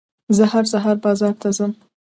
زه هر سهار بازار ته ځم.